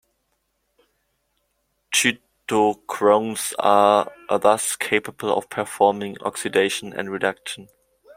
Cytochromes are, thus, capable of performing oxidation and reduction.